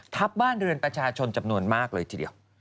ทับบ้านเรือนประชาชนจำนวนมากเลยทีเดียว